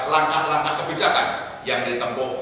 langkah langkah kebijakan yang ditempuh